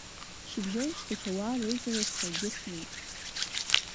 Шьыбжьоншьҭахь ауаа реизарахь саргьы снеит.